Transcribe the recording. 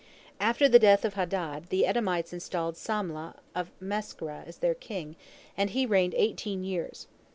After the death of Hadad, the Edomites installed Samlah of Masrekah as their king, and he reigned eighteen years.